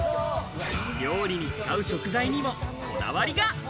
料理に使う食材にもこだわりが！